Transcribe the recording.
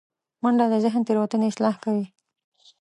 منډه د ذهن تیروتنې اصلاح کوي